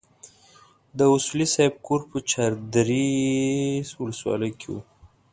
د اصولي صیب کور په چار درې ولسوالۍ کې وو.